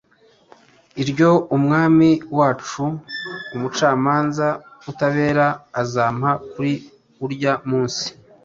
iryo Umwami wacu, umucamanza utabera azampa kuri urya munsi,